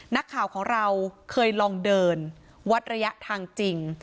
นักข่าวของเราเคยลองเดินวัดระยะทางจริง